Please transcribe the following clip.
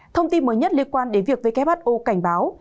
thông tin mới nhất liên quan đến việc who cảnh báo